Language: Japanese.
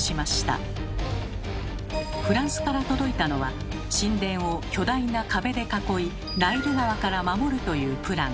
フランスから届いたのは神殿を巨大な壁で囲いナイル川から守るというプラン。